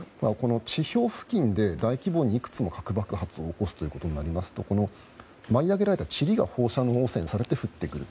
地表付近で大規模に、いくつも核爆発を起こすということになりますと舞い上げられた塵が放射能汚染されて降ってくる。